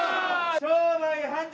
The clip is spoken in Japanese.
商売繁盛。